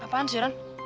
apaan sih ran